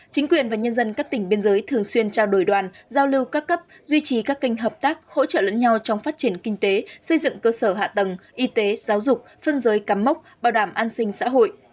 chính quyền và nhân dân các tỉnh biên giới thường xuyên trao đổi đoàn giao lưu các cấp duy trì các kênh hợp tác hỗ trợ lẫn nhau trong phát triển kinh tế xây dựng cơ sở hạ tầng y tế giáo dục phân giới cắm mốc bảo đảm an sinh xã hội